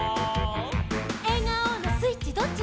「えがおのスイッチどっち？」